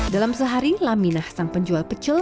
dalam sehari laminah sang penjual pecel